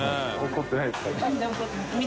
怒ってないですかね？